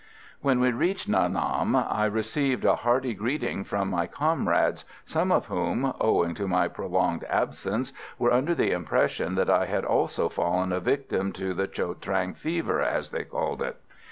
When we reached Nha Nam, I received a hearty greeting from my comrades, some of whom, owing to my prolonged absence, were under the impression that I had also fallen a victim to the Cho Trang fever, as they called it.